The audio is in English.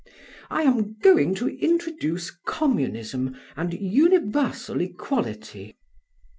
I am going to introduce communism and universal equality.